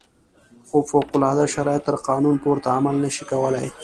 خو فوق العاده شرایط تر قانون پورته عمل نه شي کولای.